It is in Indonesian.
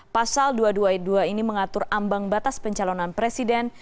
pasal dua ratus dua puluh dua ini mengatur ambang batas pencalonan presiden